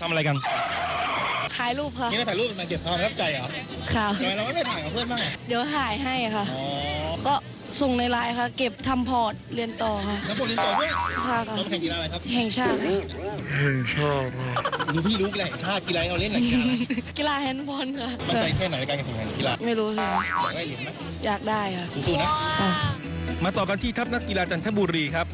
ต่อกันที่ทัพนักกีฬาจันทบุรีครับ